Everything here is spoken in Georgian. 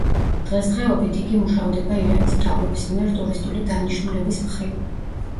დღესდღეობით იგი მუშავდება ირანის მთავრობის მიერ ტურისტული დანიშნულების მხრივ.